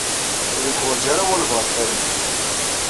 Ur yeḥwaj ara walbaɛḍ tarmit.